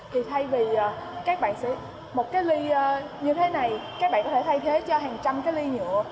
thì thay vì một ly như thế này các bạn có thể thay thế cho hàng trăm ly nhựa